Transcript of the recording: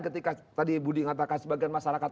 ketika tadi budi mengatakan sebagian masyarakat